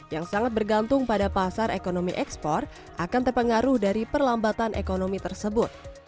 yang sangat bergantung pada pasar ekonomi ekspor akan terpengaruh dari perlambatan ekonomi tersebut